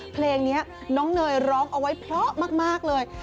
เพลงนี้น้องเนยร้องเอาไว้เพราะมากเลย